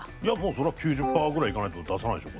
そりゃ９０パーぐらいいかないと出さないでしょ